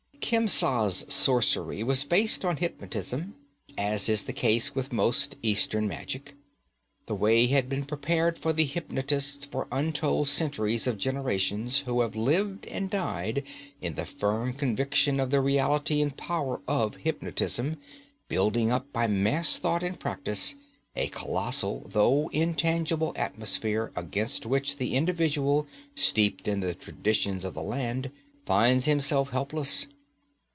Khemsa's sorcery was based on hypnotism, as is the case with most Eastern magic. The way has been prepared for the hypnotist for untold centuries of generations who have lived and died in the firm conviction of the reality and power of hypnotism, building up, by mass thought and practise, a colossal though intangible atmosphere against which the individual, steeped in the traditions of the land, finds himself helpless.